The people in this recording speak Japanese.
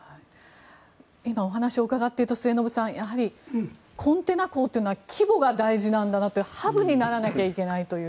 今、お話を伺っていると末延さん、コンテナ港というのは規模が大事なんだなとハブにならないといけないという。